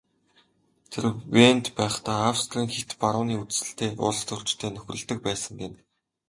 Тэр Венад байхдаа Австрийн хэт барууны үзэлтэй улстөрчтэй нөхөрлөдөг байсан гэнэ.